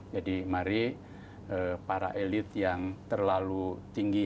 jadi mari para elit yang terlalu tinggi hasilnya